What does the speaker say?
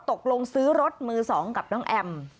ตกลงซื้อรถมือ๒กับน้องแอม